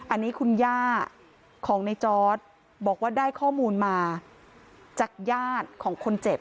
อันนี้คุณย่าของในจอร์ดบอกว่าได้ข้อมูลมาจากญาติของคนเจ็บ